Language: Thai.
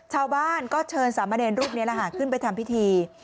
ชาวบ้านก็เชิญสามเณรรูปนี้ขึ้นไปทำพิธี